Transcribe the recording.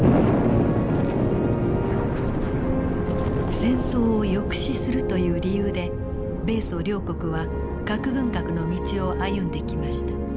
戦争を抑止するという理由で米ソ両国は核軍拡の道を歩んできました。